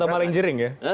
atau maling jering ya